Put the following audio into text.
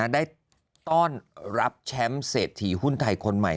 ได้ต้อนรับแชมป์เศรษฐีหุ้นไทยคนใหม่